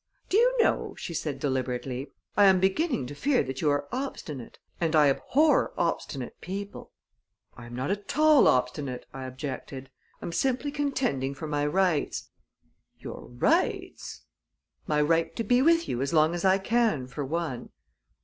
"Do you know," she said deliberately, "I am beginning to fear that you are obstinate, and I abhor obstinate people." "I'm not at all obstinate," I objected. "I'm simply contending for my rights." "Your rights?" "My right to be with you as long as I can, for one."